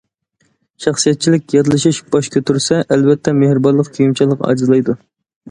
شەخسىيەتچىلىك، ياتلىشىش باش كۆتۈرسە، ئەلۋەتتە، مېھرىبانلىق، كۆيۈمچانلىق ئاجىزلايدۇ.